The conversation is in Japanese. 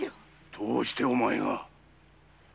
どうしてお前が。